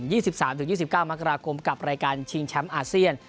สิบสามถึงยี่สิบเก้ามกราคมกับรายการชิงแชมป์อาเซียน